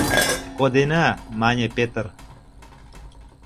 — Кодена, — мане Петр.